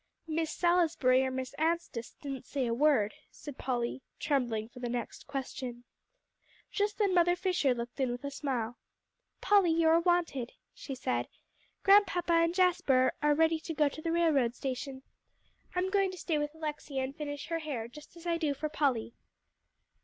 "Miss Salisbury or Miss Anstice didn't say a word," said Polly, trembling for the next question. Just then Mother Fisher looked in with a smile. "Polly, you are wanted," she said. "Grandpapa and Jasper are ready to go to the railroad station. I'm going to stay with Alexia and finish her hair just as I do for Polly."